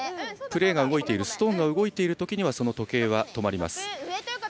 プレーが動いているストーンが動いているときは時間が止まります。